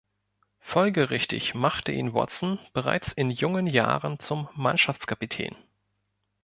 Folgerichtig machte ihn Watson bereits in jungen Jahren zum Mannschaftskapitän.